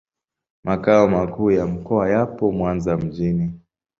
Makao makuu ya mkoa yapo Mwanza mjini.